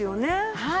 はい。